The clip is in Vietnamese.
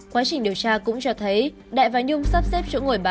quá trình điều tra cũng cho thấy đại và nhung sắp xếp chỗ ngồi bán